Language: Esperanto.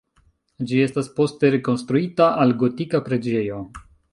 Ĝi estis poste rekonstruita al gotika preĝejo.